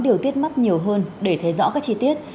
điều tiết mắt nhiều hơn để thấy rõ các chi tiết